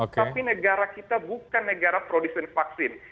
tapi negara kita bukan negara produsen vaksin